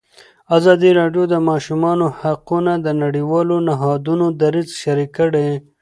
ازادي راډیو د د ماشومانو حقونه د نړیوالو نهادونو دریځ شریک کړی.